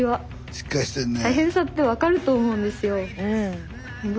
しっかりしてんねえ。